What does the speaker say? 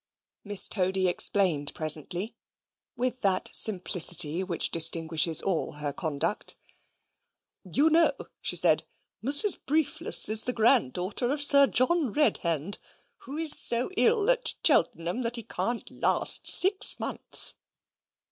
Miss Toady explained presently, with that simplicity which distinguishes all her conduct. "You know," she said, "Mrs Briefless is granddaughter of Sir John Redhand, who is so ill at Cheltenham that he can't last six months.